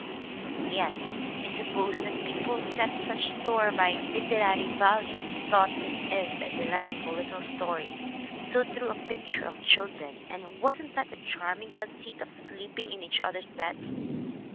And yet we suppose the people who set such store by "literary" values thought this a "delightful little story" "so true a picture of children" "and wasn't that a charm ing conceit of sleeping in each other's beds!"